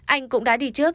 anh cũng đã đi trước